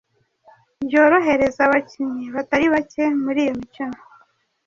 byohereza abakinnyi batari bake muri iyo mikino.